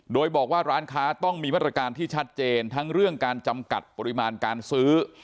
โดยบอกว่าร้านค้าต้องมีมาตรการที่ชัดเจนทั้งเรื่องการจำกัดปริมาณการซื้อ